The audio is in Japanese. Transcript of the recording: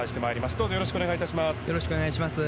どうぞよろしくお願い致します。